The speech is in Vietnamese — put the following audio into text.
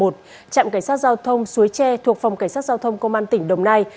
trạm cảnh sát giao thông suối tre thuộc phòng cảnh sát giao thông công an tỉnh đồng nai